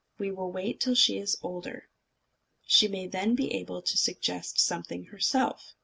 "We will wait till she is older. She may then be able to suggest something herself.